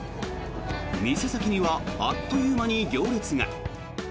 店先にはあっという間に行列が。